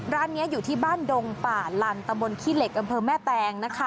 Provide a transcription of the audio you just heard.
ร้านนี้อยู่ที่บ้านดงป่าลันตะบนขี้เหล็กอำเภอแม่แตงนะคะ